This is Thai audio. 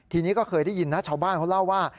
ทีนี้ก็เคยได้ยินนะชาวบ้านเขาเล่าว่า